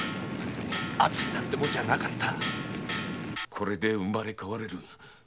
「これで生まれ変われる。